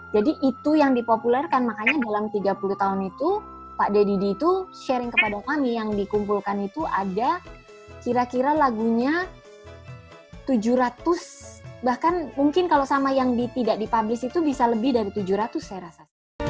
jadi itu yang dipopulerkan makanya dalam tiga puluh tahun itu pak deddy d sharing kepada kami yang dikumpulkan itu ada kira kira lagunya tujuh ratus bahkan mungkin kalau sama yang tidak dipublis itu bisa lebih dari tujuh ratus saya rasa